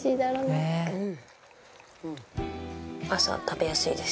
井上：朝、食べやすいです。